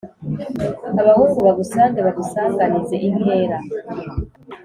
abahungu bagusange bagusanganize inkera,